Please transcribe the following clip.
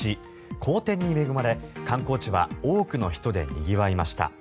好天に恵まれ、観光地は多くの人でにぎわいました。